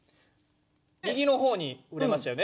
右の方に振れましたよね。